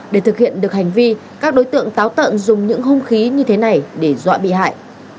để thực hiện được hành vi các đối tượng táo tận dùng những hung khí như thế này để dọa bị hại